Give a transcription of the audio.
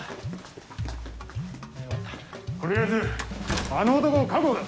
取りあえずあの男を確保だ。